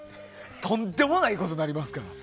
とんでもないことになりますから！